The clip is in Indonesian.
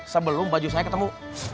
sebelum baju saya ketemu